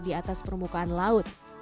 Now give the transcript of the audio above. di atas permukaan laut